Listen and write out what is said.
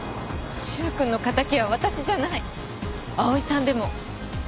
柊君の敵は私じゃない葵さんでも。